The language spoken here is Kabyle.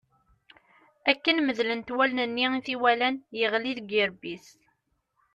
Akken medlent wallen-nni i t-iwalan, yeɣli deg urebbi-s.